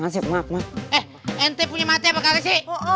eh ente punya mata apa kali sih